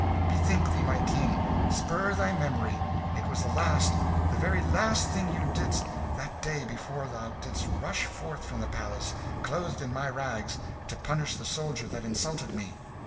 Bethink thee, my King spur thy memory it was the last, the very last thing thou didst that day before thou didst rush forth from the palace, clothed in my rags, to punish the soldier that insulted me."